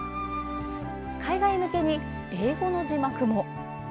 海外向けに、英語の字幕も。